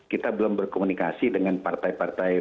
kita belum berkomunikasi dengan partai partai